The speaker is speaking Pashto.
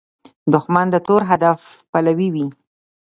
دښمن د تور هدف پلوي وي